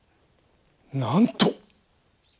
なんと！